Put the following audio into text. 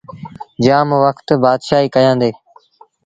جآم وکت بآتشآهيٚ ڪيآݩدي۔۔